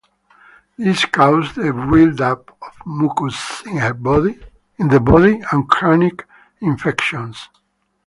This causes the buildup of mucus in the body and chronic infections.